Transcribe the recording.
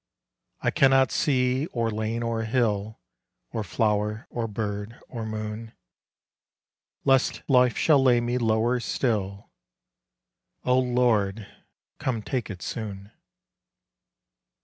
I cannot see or lane or hill, Or flower or bird or moon ; Lest life shall lay me lower still, O Lord — come take it soon.'